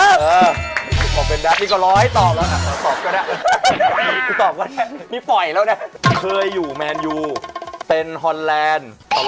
อาจจะเป็นดาซหนี้ก็ล้อให้ตอบแล้วนะ